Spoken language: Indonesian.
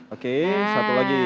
oke satu lagi